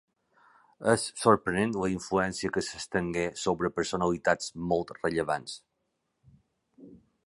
És sorprenent la influència que s'estengué sobre personalitats molt rellevants.